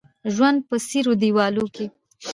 ژوند په څيرو دېوالو کې